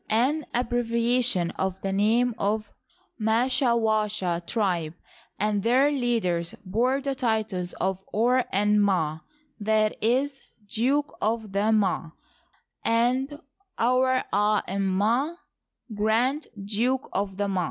109 an abbreviation of the name of the Mashawasha tribe, ancj their leaders bore the titles of Ouer en^Ma — i. e. " Duke of the Ma," and Ouer da en'Ma, Grand Duke of the Ma."